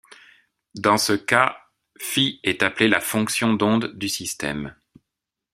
Dans ce cas, ψ est appelée la fonction d'onde du système.